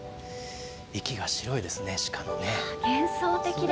息が白いですね、鹿のね。